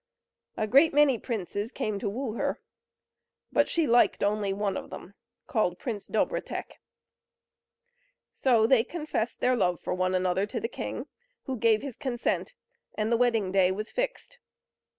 A great many princes came to woo her; but she liked only one of them, called Prince Dobrotek; so they confessed their love for one another to the king, who gave his consent, and the wedding day was fixed.